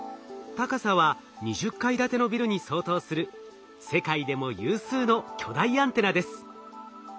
高さは２０階建てのビルに相当する世界でも有数の巨大アンテナです。